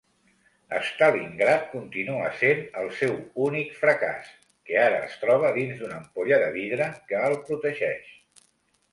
Stalingrad continua sent el seu únic fracàs, que ara es troba dins d'una ampolla de vidre que el protegeix.